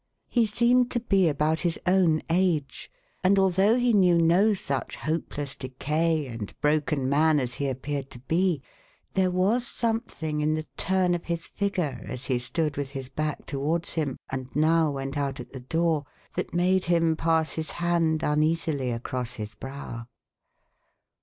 He seemed to be about his own age; and although he knew no such hopeless decay and broken man as he appeared to be, there was something in the turn of his figure, as he stood with his back towards him, and now went out at the door, that made him pass his hand uneasily across his brow.